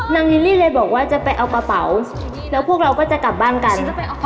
ลิลลี่เลยบอกว่าจะไปเอากระเป๋าแล้วพวกเราก็จะกลับบ้านกัน